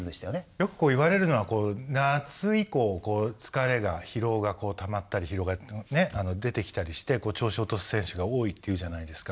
よく言われるのは夏以降疲れが疲労がたまったり疲労が出てきたりして調子を落とす選手が多いっていうじゃないですか。